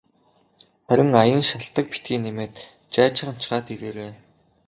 Харин аян шалтаг битгий нэмээд жайжганачхаад ирээрэй.